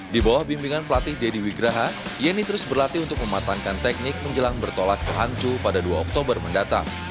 di bawah bimbingan pelatih deddy wigraha yeni terus berlatih untuk mematangkan teknik menjelang bertolak ke hangzhou pada dua oktober mendatang